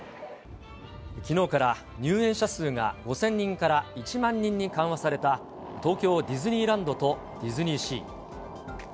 きのうから入園者数が５０００人から１万人に緩和された東京ディズニーランドとディズニーシー。